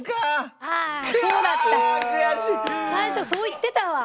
最初そう言ってたわ。